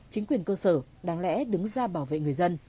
chính quyền cơ sở đáng lẽ đứng ra bảo vệ người dân